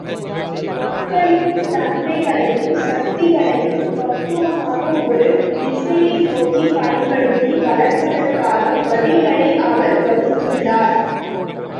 மக்களின் தன்மைகளையும், சக்திகளையும் பக்குவமான ஒரு திசையை நோக்கிப் பண்படுத்தி வளர்ப்பதற்கான வழிகளை அவர் வகுத்துள்ளார்.